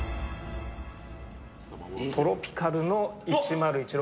トロピカルの１０１６